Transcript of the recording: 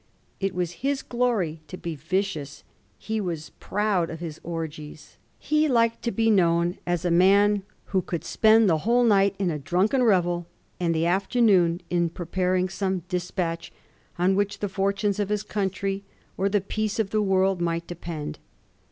It was his glory to be vicious ; he was proud of his orgies. He liked to be known as a man who Digiti zed by Google 1714 PETRONIUS ALCIBIABES. 35 could spend the whole night in a drunken revel, and the afternoon in preparing some despatch on which the fortunes of his country or the peace of the world might depend.